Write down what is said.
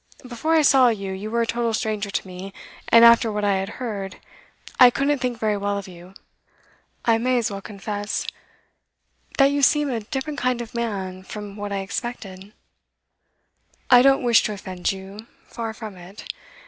Before I saw you, you were a total stranger to me, and after what I had heard, I couldn't think very well of you. I may as well confess that you seem a different kind of man from what I expected. I don't wish to offend you, far from it.